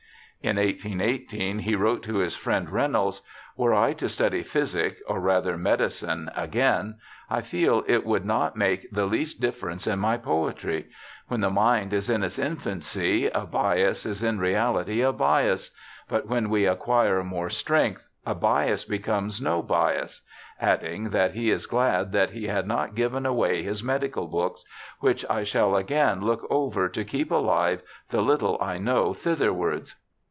In 1818 he wrote to his friend Reynolds, 'Were I to study physic, or rather medicine, again, I feel it would not make the least difference in my poetry; when the mind is in its infancy a bias is in reahty a bias, but when we acquire more strength, a bias becomes no bias,' adding that he is glad he had not given away his medical books, ' which I shall again look over, to keep alive the little I know thitherwards.'